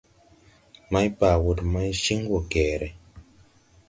Maybaa wɔ de maychin wo geeré.